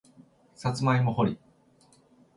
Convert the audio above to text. さつまいも掘り